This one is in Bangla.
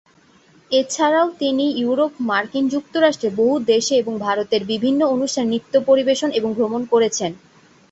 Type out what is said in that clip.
এছাড়াও তিনি ইউরোপ, মার্কিন যুক্তরাষ্ট্রের বহু দেশে এবং ভারতের বিভিন্ন অনুষ্ঠানে নৃত্য পরিবেশন এবং ভ্রমণ করেছেন।